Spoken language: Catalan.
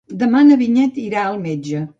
Demà na Vinyet irà al metge.